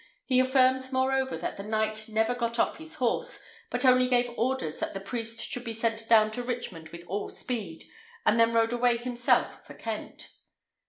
He affirms, moreover, that the knight never got off his horse, but only gave orders that the priest should be sent down to Richmond with all speed, and then rode away himself for Kent."